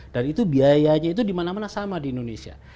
dan itu biayanya dimana mana sama di indonesia